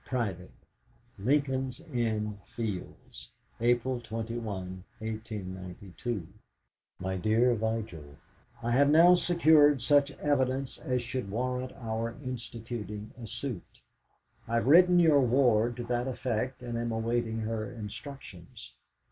"Private. "LINCOLN'S INN FIELDS, "April 21, 1892. "MY DEAR VIGIL, "I have now secured such evidence as should warrant our instituting a suit. I've written your ward to that effect, and am awaiting her instructions.